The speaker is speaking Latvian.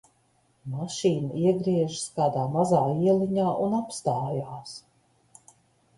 Mašīna iegriežas kādā mazā ieliņā un apstājās.